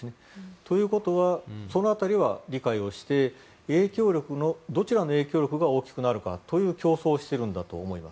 ということはその辺りは理解をしてどちらの影響力が大きくなるかという競争をしているんだと思います。